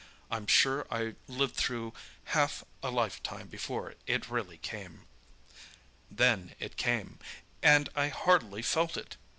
I'm sure I lived through half a lifetime before it really came. "Then it came—and I hardly felt it!